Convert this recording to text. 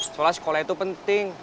soalnya sekolah itu penting